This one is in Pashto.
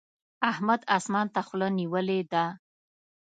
احمد اسمان ته خوله نيولې ده.